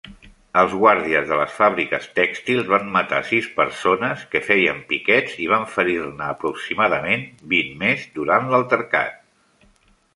Els guàrdies de les fàbriques tèxtils van matar sis persones que feien piquets i van ferir-ne aproximadament vint més durant l'altercat.